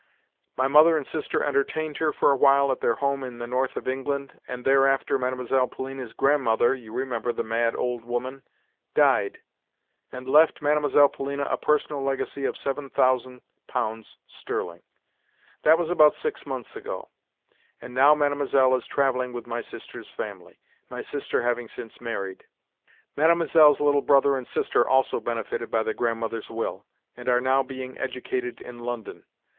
My mother and sister entertained her for a while at their home in the north of England, and thereafter Mlle. Polina's grandmother (you remember the mad old woman?) died, and left Mlle. Polina a personal legacy of seven thousand pounds sterling. That was about six months ago, and now Mlle. is travelling with my sister's family—my sister having since married. Mlle.'s little brother and sister also benefited by the Grandmother's will, and are now being educated in London.